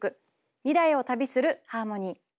「未来を旅するハーモニー」。